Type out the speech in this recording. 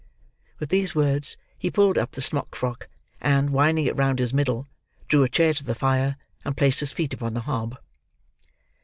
With these words he pulled up the smock frock; and, winding it round his middle, drew a chair to the fire, and placed his feet upon the hob.